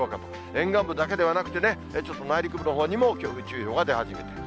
沿岸部だけではなくてね、ちょっと内陸部のほうにも強風注意報が出始めている。